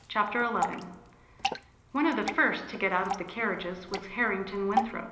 CHAPTER XI One of the first to get out of the carriages was Harrington Winthrop.